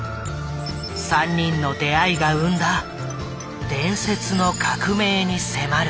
３人の出会いが生んだ伝説の革命に迫る。